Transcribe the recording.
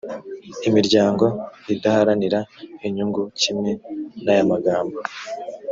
imiryango idaharanira inyungu kimwe n ayamagambo